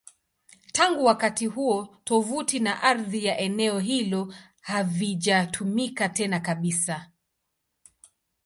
Tangu wakati huo, tovuti na ardhi ya eneo hilo havijatumika tena kabisa.